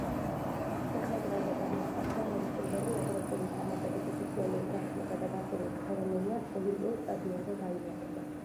შეხვედრაზე გამოცხადდა, რომ პირველი ევროპული თამაშების ოფიციალური გახსნისა და დახურვის ცერემონია ოლიმპიურ სტადიონზე გაიმართება.